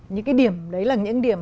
những cái điểm đấy là những điểm